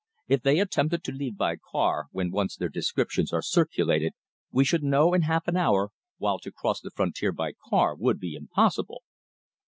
If they attempted to leave by car when once their descriptions are circulated, we should know in half an hour, while to cross the frontier by car would be impossible."